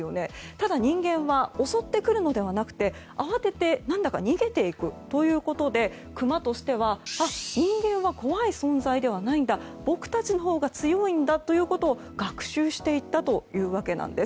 ただ、人間は襲ってくるのではなくて慌てて逃げていくということでクマとしては人間は怖い存在ではないんだ僕たちのほうが強いんだということを学習していったというわけなんです。